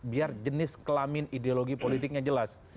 biar jenis kelamin ideologi politiknya jelas